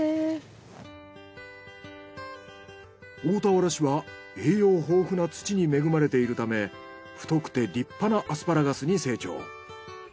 大田原市は栄養豊富な土に恵まれているため太くて立派なアスパラガスに成長。